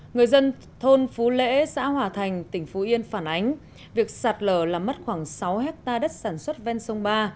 người dân thôn phú lễ xã hòa thành tỉnh phú yên phản ánh việc sạt lở làm mất khoảng sáu hectare đất sản xuất ven sông ba